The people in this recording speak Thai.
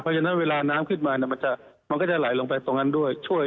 เพราะฉะนั้นเวลาน้ำขึ้นมามันก็จะไหลลงไปตรงนั้นด้วยช่วย